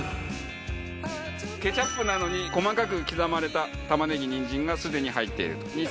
ケチャップなのに細かく刻まれた玉ねぎにんじんがすでに入っていると。